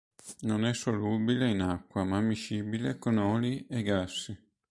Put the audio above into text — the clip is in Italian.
Non è solubile in acqua, ma miscibile con oli e grassi.